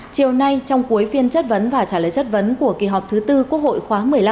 chiều nay trong cuối phiên chất vấn và trả lời chất vấn của kỳ họp thứ tư quốc hội khóa một mươi năm